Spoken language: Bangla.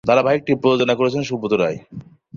ধারাবাহিকটির প্রযোজনা করেছেন সুব্রত রায়।